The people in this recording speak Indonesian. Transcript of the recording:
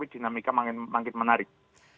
dan anika manggil menarik